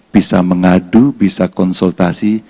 bisa mengadu bisa konsultasi